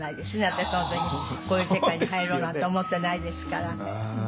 私その時こういう世界に入ろうなんて思ってないですから。